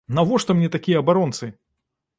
Навошта мне такія абаронцы?!